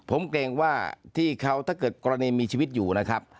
ผมเกรงว่าที่เขาถ้าเกิดกรณีมีชีวิตอยู่นะครับ